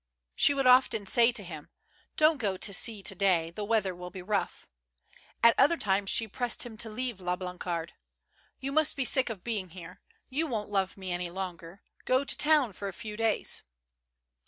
She would often say to him :" Don't go to sea to day; the weather will be rough." At other times she pressed him to leave La Blancarde. "You must be sick of being here; you won't love rno any longer. Go to town for a few days."